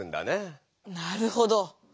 なるほど！